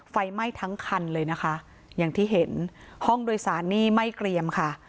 ไฟไหม้ทั้งคันเลยนะคะอย่างที่เห็นห้องโดยสารนี่ไม่เกรียมค่ะ